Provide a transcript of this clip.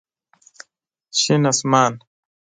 شين اسمان